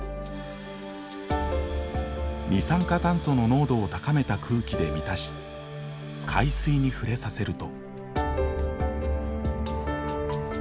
二酸化炭素の濃度を高めた空気で満たし海水に触れさせると。